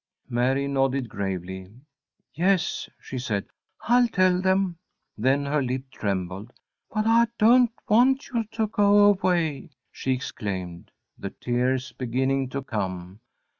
Mary nodded, gravely. "Yes," she said, "I'll tell them." Then her lip trembled. "But I don't want you to go away!" she exclaimed, the tears beginning to come.